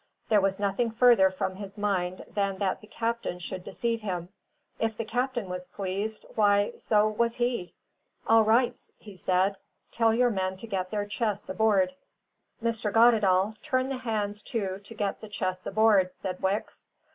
There was nothing further from his mind than that the captain should deceive him; if the captain was pleased, why, so was he. "All right," he said. "Tell your men to get their chests aboard." "Mr. Goddedaal, turn the hands to to get the chests aboard," said Wicks.